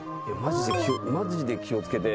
マジで気を付けて。